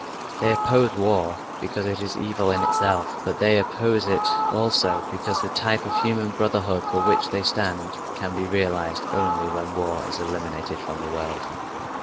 They oppose war because it is evil in itself, but they oppose it also because the type of human brotherhood for which they stand can be realized only when war is eliminated from the world.